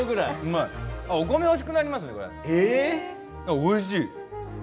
おいしい。